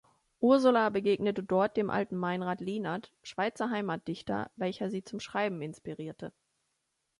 Ursula begegnete dort dem alten Meinrad Lienert, Schweizer Heimatdichter, welcher sie zum Schreiben inspirierte.